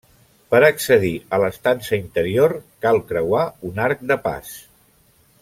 Per accedir a l'estança interior cal creuar un arc de pas.